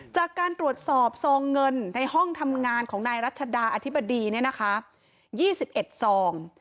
จากการตรวจสอบซองเงินในห้องทำงานของนายรัชดาอธิบดีนี่นะคะยี่สิบเอ็ดซอง